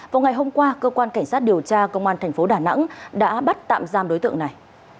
vào ngày hôm qua cơ quan cảnh sát điều tra công an thành phố đà nẵng đã bắt tạm giam đối tượng này